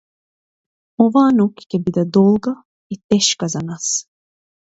Оваа ноќ ке биде, долга и тешка за нас